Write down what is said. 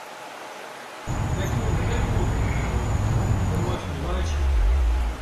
Wy koene der net goed ûnder bliuwe, wy moasten laitsje.